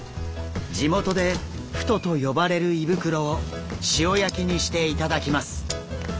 地元でふとと呼ばれる胃袋を塩焼きにして頂きます。